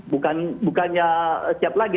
bukannya siap lagi